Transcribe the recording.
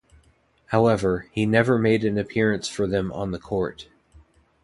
However, he never made an appearance for them on the court.